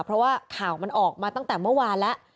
เพราะว่าข่าวมันออกมาตั้งแต่เมื่อวานแล้ว